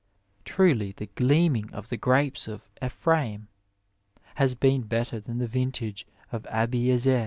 Truly the gleaming of the grapes of Ephraim has been better than the vintage of Abi ezer.